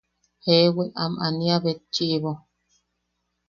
Jewi am aniabetchiʼibo.